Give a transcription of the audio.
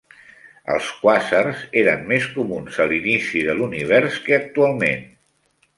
Els quàsars eren més comuns a l'inici de l'univers que actualment.